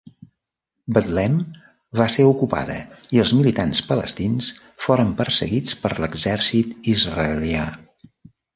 Betlem va ser ocupada i els militants palestins foren perseguits per l'exèrcit israelià.